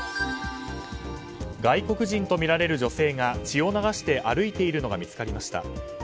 外国人とみられる女性が血を流して歩いているのが見つかりました。